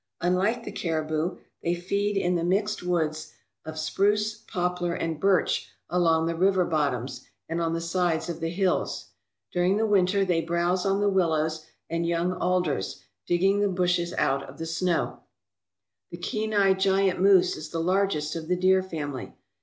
Unlike the caribou, they feed in the mixed woods of 265 ALASKA OUR NORTHERN WONDERLAND spruce, poplar, and birch along the river bottoms and on the sides of the hills. During the winter they browse on the willows and young alders, digging the bushes out of the snow. The Kenai giant moose is the largest of the deer family.